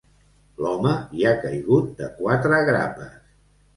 L'home hi ha caigut de quatre grapes.